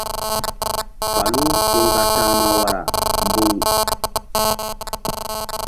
Falu ke mgba ta̧hma wara mbu̧ŋ.